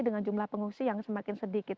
dengan jumlah pengungsi yang semakin sedikit